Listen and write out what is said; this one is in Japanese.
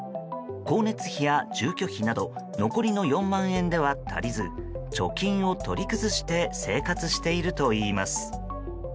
光熱費や住居費など残りの４万円では足りず貯金を取り崩して生活しているといいます。